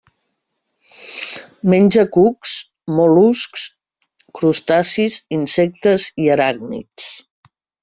Menja cucs, mol·luscs, crustacis, insectes i aràcnids.